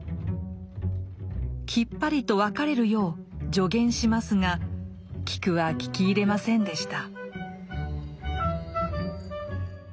きっぱりと別れるよう助言しますがキクは聞き入れませんでした。